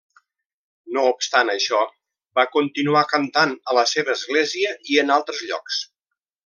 No obstant això, va continuar cantant a la seva església i en altres llocs.